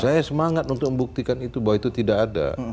saya semangat untuk membuktikan itu bahwa itu tidak ada